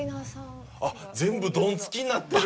あっ全部ドンツキになってる！